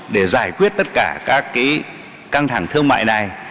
để giải quyết tất cả các căng thẳng thương mại này